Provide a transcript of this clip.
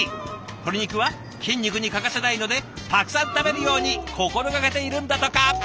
鶏肉は筋肉に欠かせないのでたくさん食べるように心がけているんだとか。